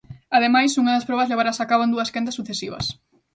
Ademais, unha das probas levarase a cabo en dúas quendas sucesivas.